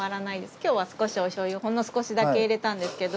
今日は少しお醤油ほんの少しだけ入れたんですけど。